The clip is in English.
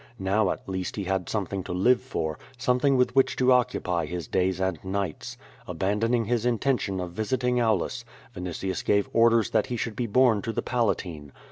Now at least he had something to live for — something with which to occupy his days and nights. Abandoning his intention of visiting Aulus, Vinitius gave orders that he should be borne to the Palatine.